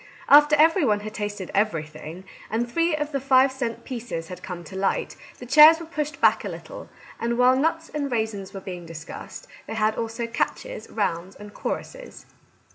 After every one had tasted everything, and three of the five cent pieces had come to light, the chairs were pushed back a little, and while nuts and raisins were being discussed, they had also catches, rounds, and choruses.